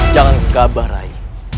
jangan kita bergabah ray